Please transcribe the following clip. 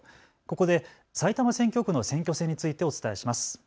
ここで埼玉選挙区の選挙戦についてお伝えします。